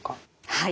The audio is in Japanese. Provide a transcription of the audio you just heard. はい。